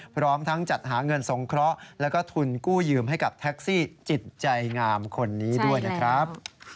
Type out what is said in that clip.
พร้อมทั้งจัดหาเงินสงเคราะห์แล้วก็ทุนกู้ยืมให้กับแท็กซี่จิตใจงามคนนี้ด้วยนะครับ